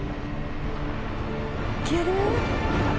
いける？